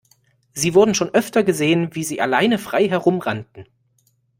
Sie wurden schon öfter gesehen, wie sie alleine frei herum rannten.